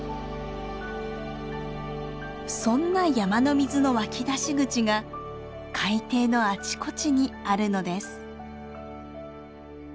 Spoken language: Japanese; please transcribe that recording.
そんな山の水の湧き出し口が海底のあちこちにあるのです。